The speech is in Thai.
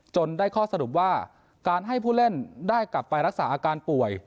ได้ข้อสรุปว่าการให้ผู้เล่นได้กลับไปรักษาอาการป่วย